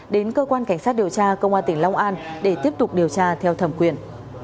đến cơ quan cảnh sát điều tra công an tỉnh long an để tiếp tục điều tra theo thẩm quyền